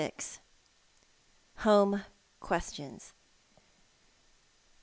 HOME QUESTIONS.